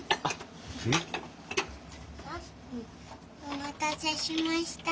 お待たせしました。